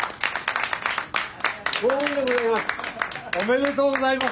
幸運でございます。